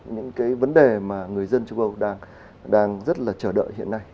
những cái vấn đề mà người dân châu âu đang rất là chờ đợi hiện nay